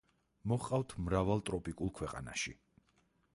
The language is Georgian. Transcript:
მოჰყავთ მრავალ ტროპიკულ ქვეყანაში.